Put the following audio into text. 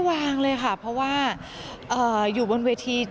มุ่งงานอย่างเดียวเลยค่ะปีนี้